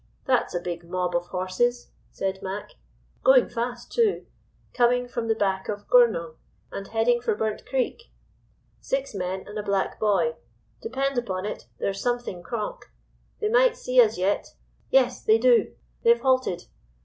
that's a big mob of horses,' said Mac., 'going fast too. Coming from the back of Goornong and heading for Burnt Creek. Six men and a black boy. Depend upon it, there's something "cronk." They might see us yet. Yes, they do! They've halted.